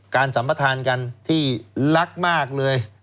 การสัมภาษณ์กันที่รักมากเลย